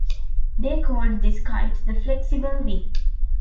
They called this kite the "flexible wing".